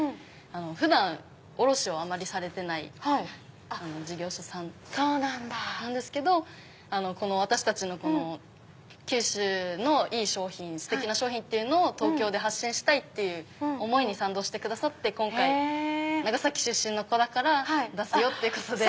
普段卸をあまりされてない事業者さんなんですけど私たちの九州のいい商品ステキな商品を東京で発信したいっていう思いに賛同してくださって今回長崎出身の子だから出すよ！っていうことで。